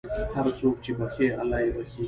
هر څوک چې بښي، الله یې بښي.